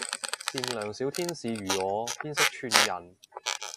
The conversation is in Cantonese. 善良小天使如我邊識串人